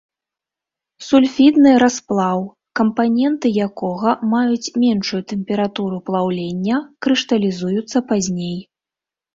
Сульфідны расплаў, кампаненты якога маюць меншую тэмпературу плаўлення, крышталізуюцца пазней.